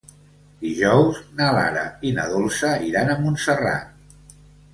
Dijous na Lara i na Dolça iran a Montserrat.